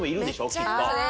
きっと。